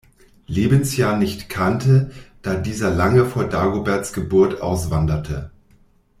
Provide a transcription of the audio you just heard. Lebensjahr nicht kannte, da dieser lange vor Dagoberts Geburt auswanderte.